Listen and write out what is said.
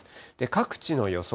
各地の予想